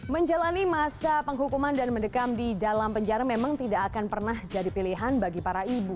menjalani masa penghukuman dan mendekam di dalam penjara memang tidak akan pernah jadi pilihan bagi para ibu